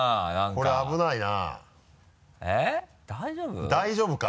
これ危ないな。